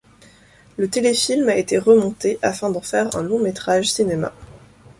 Le téléfilm a été remonté afin d'en faire un long métrage cinéma.